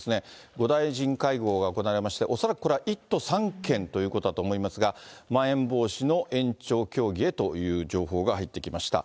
５大臣会合が行われまして、恐らくこれは１都３県ということだと思いますが、まん延防止の延長協議へという情報が入ってきました。